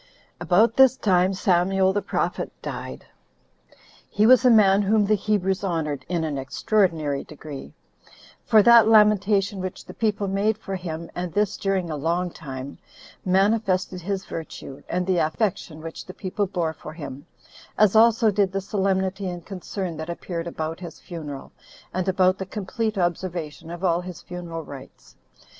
5. About this time Samuel the prophet died. He was a man whom the Hebrews honored in an extraordinary degree: for that lamentation which the people made for him, and this during a long time, manifested his virtue, and the affection which the people bore for him; as also did the solemnity and concern that appeared about his funeral, and about the complete observation of all his funeral rites.